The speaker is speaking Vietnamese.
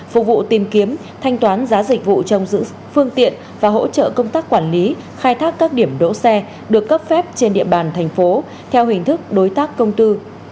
phục vụ tìm kiếm thanh toán giá dịch vụ trong giữ phương tiện và hỗ trợ công tác quản lý khai thác các điểm đỗ xe được cấp phép trên địa bàn thành phố theo hình thức đối tác công tư